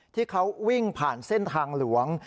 ที่เขาวิ่งผ่านเส้นทางหลวง